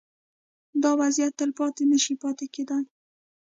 دا وضعیت تلپاتې نه شي پاتې کېدای.